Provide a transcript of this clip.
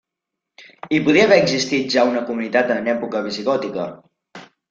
Hi podia haver existit ja una comunitat en època visigòtica.